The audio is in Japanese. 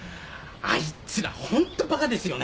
あいつらホントバカですよね。